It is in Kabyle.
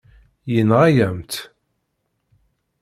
Yenɣa-yam-tt.